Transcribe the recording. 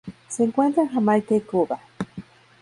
Se encuentra en Jamaica y Cuba.